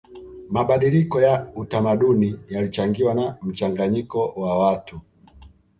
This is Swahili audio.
mabadiliko ya utamaduni yalichangiwa na mchanganyiko wa watu